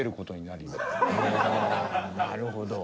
なるほど。